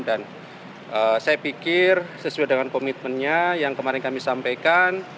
dan saya pikir sesuai dengan komitmennya yang kemarin kami sampaikan